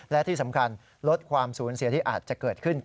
และที่สำคัญลดความสูญเสียที่อาจจะเกิดขึ้น